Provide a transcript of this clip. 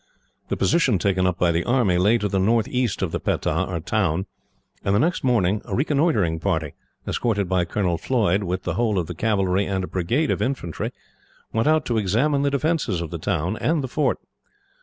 The position taken up by the army lay to the northeast of the petah, or town, and the next morning a reconnoitring party, escorted by Colonel Floyd, with the whole of the cavalry and a brigade of infantry, went out to examine the defences of the town and fort.